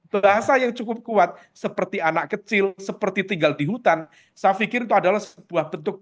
bahasa yang cukup kuat seperti anak kecil seperti tinggal di hutan saya pikir itu adalah sebuah bentuk